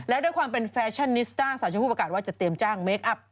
และด้วยความเป็นแฟชั่นนิสต้าสาวชมพู่ประกาศว่าจะเตรียมจ้างเมคอัพ